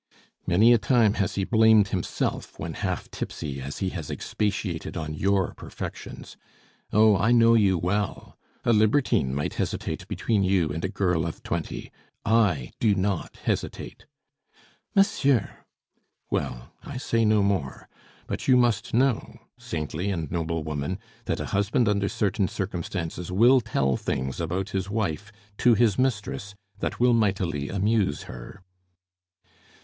Many a time has he blamed himself when half tipsy as he has expatiated on your perfections. Oh, I know you well! A libertine might hesitate between you and a girl of twenty. I do not hesitate " "Monsieur!" "Well, I say no more. But you must know, saintly and noble woman, that a husband under certain circumstances will tell things about his wife to his mistress that will mightily amuse her."